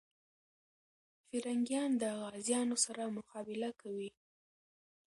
پرنګیان د غازيانو سره مقابله کوي.